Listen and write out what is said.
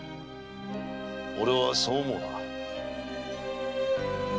俺はそう思うな。